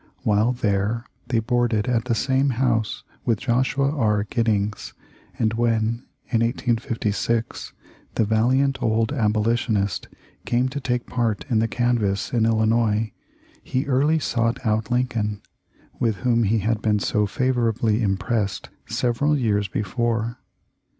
While there they boarded at the same house with Joshua R. Giddings, and when in 1856 the valiant old Abolitionist came to take part in the canvass in Illinois, he early sought out Lincoln, with whom he had been so favorably impressed several years before.